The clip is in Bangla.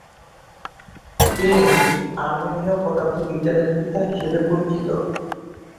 তিনি "আর্মেনীয় পদার্থবিজ্ঞানের পিতা" হিসেবে পরিচিত।